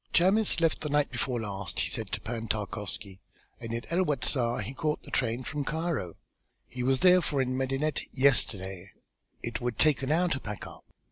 "Chamis left the night before last," he said to Pan Tarkowski, "and in El Wasta he caught the train from Cairo; he was therefore in Medinet yesterday. It would take an hour to pack up.